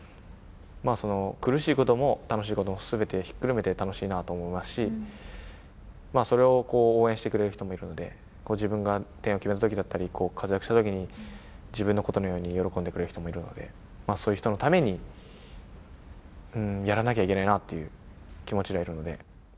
苦しいことも楽しいこともすべてひっくるめて楽しいなと思いますし、それを応援してくれる人もいるので、自分が点を決めたときだったり活躍したときに、自分のことのように喜んでくれる人もいるので、そういう人のために、やらなきゃいけないなっていう気持ちではいるので。